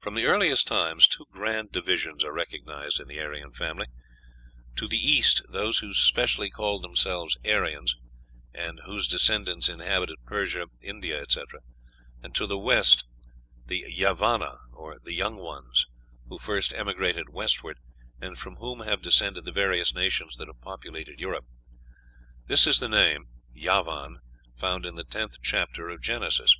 From the earliest times two grand divisions are recognized in the Aryan family: "to the east those who specially called themselves Arians, whose descendants inhabited Persia, India, etc.; to the west, the Yavana, or the Young Ones, who first emigrated westward, and from whom have descended the various nations that have populated Europe. This is the name (Javan) found in the tenth chapter of Genesis."